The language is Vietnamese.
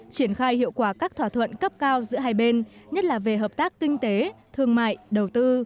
triển khai hiệu quả các thỏa thuận cấp cao giữa hai bên nhất là về hợp tác kinh tế thương mại đầu tư